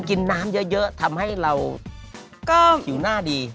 กินน้ำเยอะทำให้เราก็ผิวหน้าดี